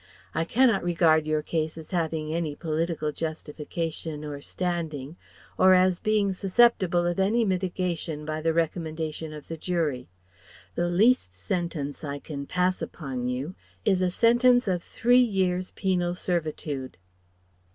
I cannot regard your case as having any political justification or standing, or as being susceptible of any mitigation by the recommendation of the jury. The least sentence I can pass upon you is a sentence of Three years' penal servitude."